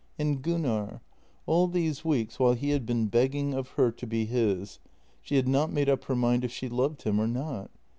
And Gunnar. All these weeks, while he had been begging of her to be his, she had not made up her mind if she loved him or not.